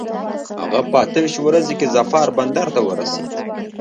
هغه په اته ویشت ورځي کې ظفار بندر ته ورسېد.